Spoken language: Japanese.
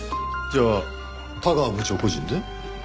じゃあ田川部長個人で？